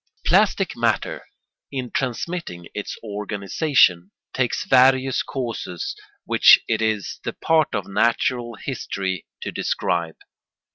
] Plastic matter, in transmitting its organisation, takes various courses which it is the part of natural history to describe.